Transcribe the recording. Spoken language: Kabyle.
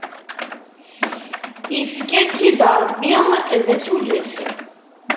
Ifka-k-id Ṛebbi d asulef!